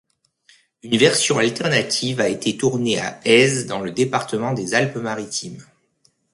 Une version alternative a été tournée à Èze dans le département des Alpes-Maritimes.